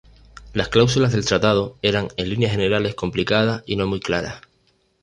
Las cláusulas del tratado, eran, en líneas generales, complicadas y no muy claras.